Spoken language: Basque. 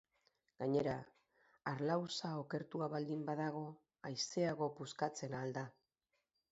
Gainera, harlauza okertua baldin badago, aiseago puskatzen ahal da.